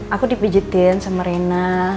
aku dipijetin sama rena